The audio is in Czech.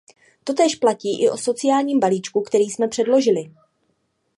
Totéž platí i o sociálním balíčku, který jsme předložili.